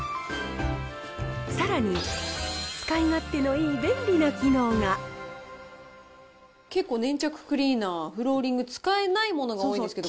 さらに、結構粘着クリーナー、フローリング、使えないものが多いんですけど。